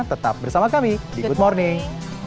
tetap bersama kami di good morning